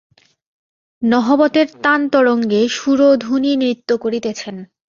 নহবতের তানতরঙ্গে সুরধুনী নৃত্য করিতেছেন।